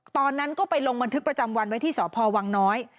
ตอนนั้นก็ไปลงบันทึกประจำวันไว้ที่สพวังน้อย